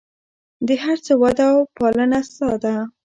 د هر څه وده او پالنه ستا ده.